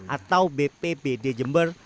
atau bpbd jember